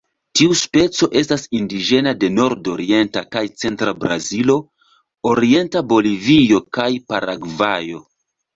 Tiu specio estas indiĝena de nordorienta kaj centra Brazilo, orienta Bolivio kaj Paragvajo.